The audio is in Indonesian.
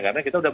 karena kita udah